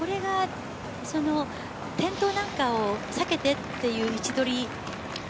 転倒なんかを避けてという位置取り。